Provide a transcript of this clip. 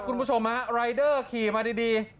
คุณผู้ชมฮะรายเดอร์ขี่มาดี